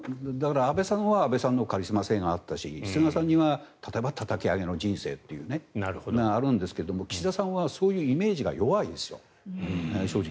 安倍さんは安倍さんのカリスマがあったし菅さんには例えばたたき上げの人生というのがあるんですが岸田さんはそういうイメージが弱いですよ、正直。